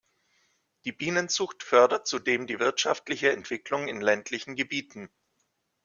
Die Bienenzucht fördert zudem die wirtschaftliche Entwicklung in ländlichen Gebieten.